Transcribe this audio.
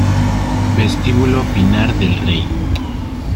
Vestíbulo Pinar del Rey